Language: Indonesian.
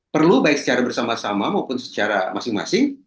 perlu baik secara bersama sama maupun secara masing masing